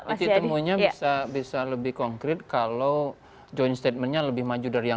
ada titik temu itu kita tunggu kapan